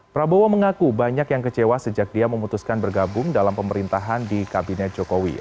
prabowo mengaku banyak yang kecewa sejak dia memutuskan bergabung dalam pemerintahan di kabinet jokowi